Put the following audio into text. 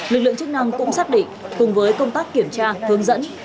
lực lượng chức năng cũng xác định cùng với công tác kiểm tra hướng dẫn